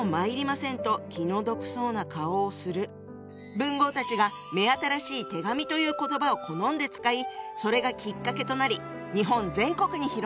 文豪たちが目新しい「手紙」という言葉を好んで使いそれがきっかけとなり日本全国に広まったってわけ！